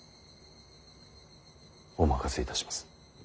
お任せいたします。